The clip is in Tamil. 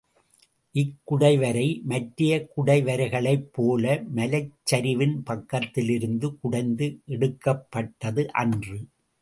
இக்குடைவரை மற்றைய குடைவரைகளைப் போல மலைச்சரிவின் பக்கத்திலிருந்து குடைந்து எடுக்கப்பட்டது அன்று.